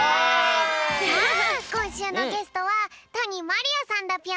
さあこんしゅうのゲストは谷まりあさんだぴょん。